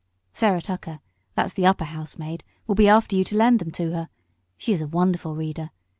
"Sarah Tucker that's the upper housemaid will be after you to lend them to her. She is a wonderful reader.